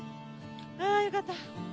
あよかった。